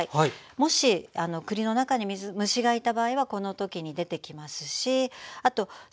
もし栗の中に虫がいた場合はこの時に出てきますしあと先にね